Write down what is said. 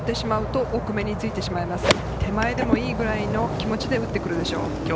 手前でもいいくらいの気持ちで打ってくるでしょう。